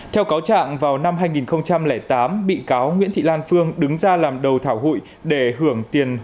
theo cáo trạng vào năm hai nghìn tám bị cáo nguyễn thị lan phương đứng ra làm đầu thảo hụi để hưởng tiền